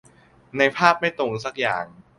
ในภาพไม่ตรงสักอย่าง